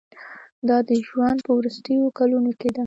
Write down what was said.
دا د ژوند په وروستیو کلونو کې ده.